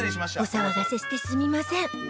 お騒がせしてすみません